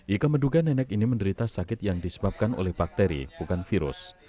ika menduga nenek ini menderita sakit yang disebabkan oleh bakteri bukan virus